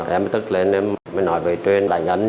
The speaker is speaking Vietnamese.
em thức lên em nói về truyền đánh anh